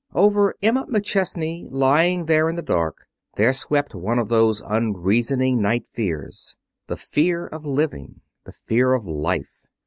Over Emma McChesney, lying there in the dark, there swept one of those unreasoning night fears. The fear of living. The fear of life.